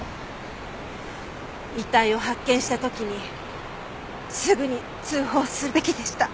遺体を発見した時にすぐに通報すべきでした。